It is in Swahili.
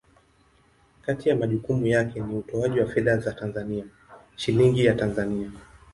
Kati ya majukumu yake ni utoaji wa fedha za Tanzania, Shilingi ya Tanzania.